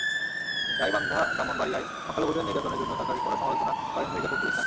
গাইবান্ধা, ব্রাহ্মণবাড়িয়ায় সংখ্যালঘুদের নির্যাতনের জন্য সরকারের কড়া সমালোচনা করেন মির্জা ফখরুল ইসলাম।